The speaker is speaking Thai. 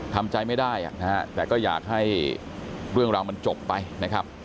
ทำใจไม่ได้นะฮะแต่ก็อยากให้เรื่องราวมันจบไปนะครับ